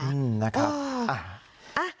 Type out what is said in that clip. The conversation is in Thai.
อืมนะครับ